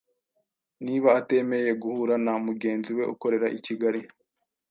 niba atemeye guhura na mugenzi we ukorera i Kigali.